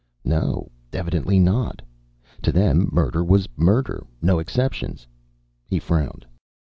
No, evidently not. To them, murder was murder. No exceptions. He frowned.